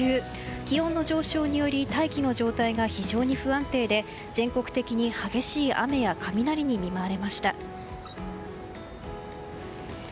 気温の上昇により大気の状態が非常に不安定で全国的に激しい雨や雷に見舞われました。